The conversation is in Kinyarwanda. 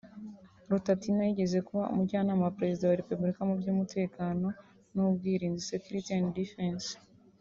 Rutatina yigeze kuba Umujyanama wa Perezida wa Repubulika mu by’Umutekano n’Ubwirinzi (Secutiry & Defence)